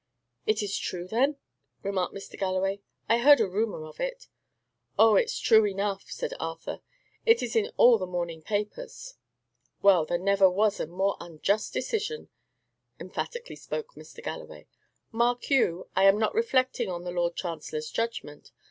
"It is true, then?" remarked Mr. Galloway. "I heard a rumour of it." "Oh, it's true enough," said Arthur. "It is in all the morning papers." "Well, there never was a more unjust decision!" emphatically spoke Mr. Galloway. "Mark you, I am not reflecting on the Lord Chancellor's judgment.